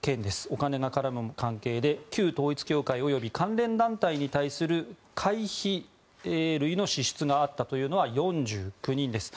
お金が絡む関係で旧統一教会及び関連団体に対する会費類の支出があったというのは４９人です。